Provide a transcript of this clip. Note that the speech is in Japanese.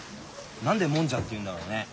何でもんじゃって言うんだろうね。